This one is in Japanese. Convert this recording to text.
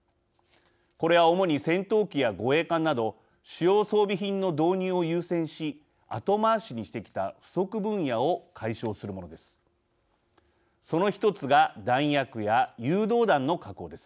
これは主に戦闘機や護衛艦など主要装備品の導入を優先し後回しにしてきた不足分野を解消するものです。